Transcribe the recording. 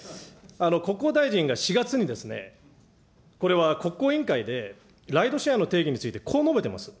国交大臣が４月に、これは国交委員会で、ライドシェアの定義についてこう述べてます。